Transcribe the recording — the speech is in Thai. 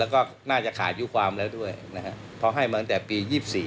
แล้วก็น่าจะขาดยุความแล้วด้วยนะครับเพราะให้มาตั้งแต่ปี๒๔